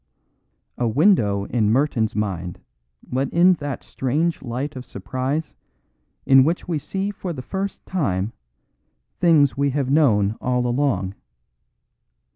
A window in Merton's mind let in that strange light of surprise in which we see for the first time things we have known all along.